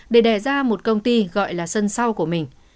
để đẻ ra một công ty gọi là sân sau của mình